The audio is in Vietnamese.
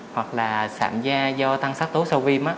hoặc là sạm da do tăng sắc tố sâu viêm